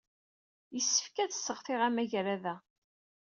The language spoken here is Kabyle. Yessefk ad sseɣtiɣ amagrad-a.